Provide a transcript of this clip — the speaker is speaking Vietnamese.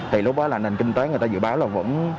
thì lúc đó là nền kinh tế người ta dự báo là vẫn